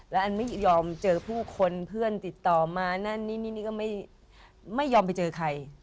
แล้วอันไม่ยอมเจอผู้คนเพื่อนติดต่อมานั่นนี่นี่ก็ไม่ยอมไปเจอใคร